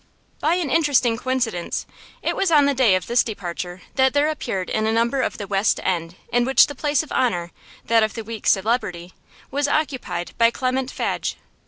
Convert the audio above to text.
By an interesting coincidence, it was on the day of this departure that there appeared a number of The West End in which the place of honour, that of the week's Celebrity, was occupied by Clement Fadge.